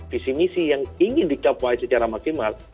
visi misi yang ingin dicapai secara maksimal